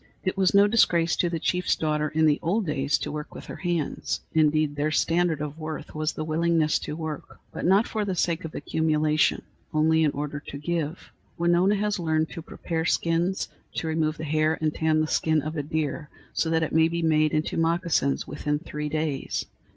It was no disgrace to the chief's daughter in the old days to work with her hands. Indeed, their standard of worth was the willingness to work, but not for the sake of accumulation, only in order to give. Winona has learned to prepare skins, to remove the hair and tan the skin of a deer so that it may be made into moccasins within three days.